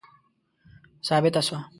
ثابته سوه.